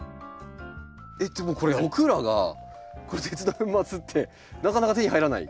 でもこれ僕らがこの鉄の粉末ってなかなか手に入らない。